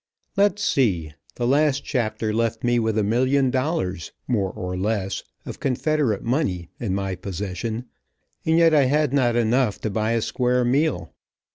Let's see, the last chapter left me with a million dollars, more or less, of confederate money in my possession, and yet I had not enough to buy a square meal.